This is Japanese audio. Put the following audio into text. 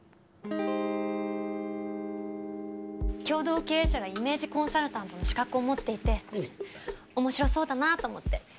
共同経営者がイメージコンサルタントの資格を持っていて面白そうだなと思って。